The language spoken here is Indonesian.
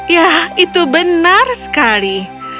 ya itu benar sekali